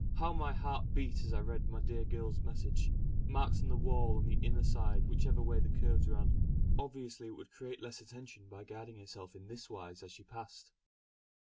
How my heart beat as I read my dear girl's message, marked on the wall on the inner side whichever way the curves ran. Obviously it would create less attention by guiding herself in this wise as she passed.